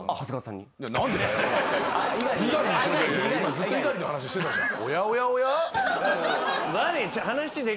ずっと猪狩の話してたじゃん。